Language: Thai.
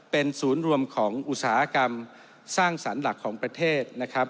เป็นศูนย์รวมของอุตสาหกรรมสร้างสรรค์หลักของประเทศนะครับ